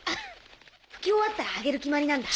吹き終わったらあげる決まりなんだ。